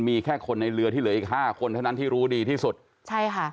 มีแค่คนในเรือที่เหลืออีกห้าคนเท่านั้นที่รู้ดีที่สุดใช่ค่ะ